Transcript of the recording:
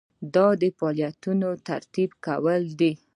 دا د فعالیتونو ترتیب کول دي.